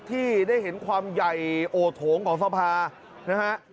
ที่ได้เห็นความใหญ่โอโถงของสภานะฮะ